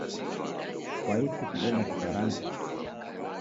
Kwaichi kudeda Kifaransa?